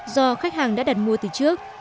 do khách hàng đã đặt mua từ trước